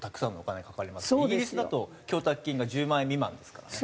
イギリスだと供託金が１０万円未満ですからね。